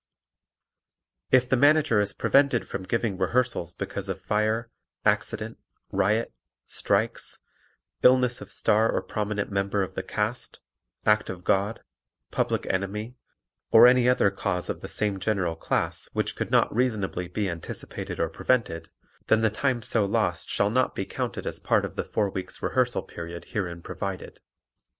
If the Manager is prevented from giving rehearsals because of fire, accident, riot, strikes, illness of star or prominent member of the cast, act of God, public enemy or any other cause of the same general class which could not reasonably be anticipated or prevented, then the time so lost shall not be counted as part of the four weeks' rehearsal period herein provided.